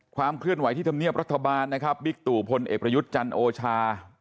ความเคลื่อนไหวที่ธรรมเนียบรัฐบาลนะครับบิ๊กตู่พลเอกประยุทธ์จันทร์โอชา